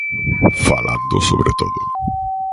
Falando, sobre todo.